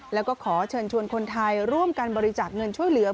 แล้วก็ขอเชิญชวนคนไทยร่วมกันบริจาคเงินช่วยเหลือ